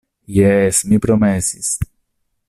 Jes, mi promesis.